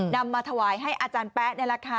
นำมาถวายให้อาจารย์แป๊ะนี่แหละค่ะ